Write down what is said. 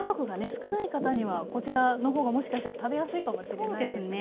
少ない方にはこちらのほうがもしかしたら食べやすいかもしれないですね。